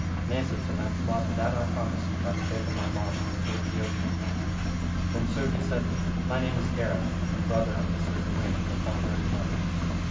Nay, said Sir Launcelot, and that I promise you by the faith of my body, until it be openly known. Then, sir, he said, my name is Gareth, and brother unto Sir Gawaine of father and mother.